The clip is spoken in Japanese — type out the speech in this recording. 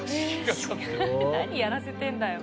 何やらせてんだよ。